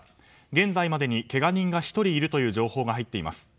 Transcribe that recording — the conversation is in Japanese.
現在までにけが人が１人いるという情報が入っています。